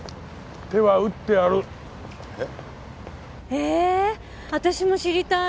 へえ私も知りたい。